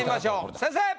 先生！